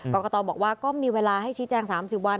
กรกตบอกว่าก็มีเวลาให้ชี้แจง๓๐วัน